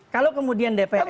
kalau kemudian dpr